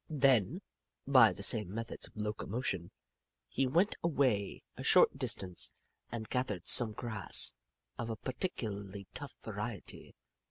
Then, by the same methods of locomotion, he went away a short distance and gathered some grass of a particularly tough variety.